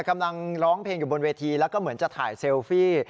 กำลังร้องเพลงอยู่บนเวทีแล้วก็เหมือนจะถ่ายเซลฟี่